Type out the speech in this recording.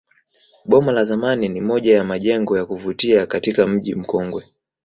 Boma la zamani ni moja ya majengo ya kuvutia katika mji mkongwe